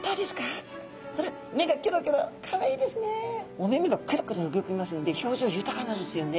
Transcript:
お目目がくるくる動きますので表情豊かなんですよね。